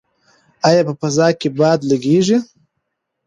ایا په فضا کې باد لګیږي؟